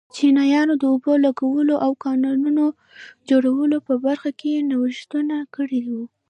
چینایانو د اوبو لګولو او کانالونو جوړولو په برخه کې نوښتونه کړي وو.